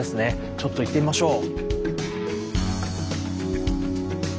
ちょっと行ってみましょう。